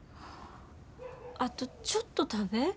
あとちょっと食べ。